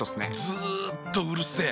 ずっとうるせえ。